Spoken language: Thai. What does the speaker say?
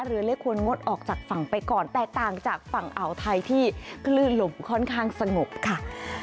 เรือเล็กควรงดออกจากฝั่งไปก่อนแตกต่างจากฝั่งอ่าวไทยที่คลื่นลมค่อนข้างสงบค่ะ